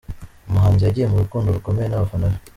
Umuhanzi yagiye mu rukundo rukomeye nabafana be